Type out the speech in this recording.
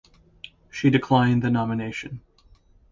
She declined the nomination.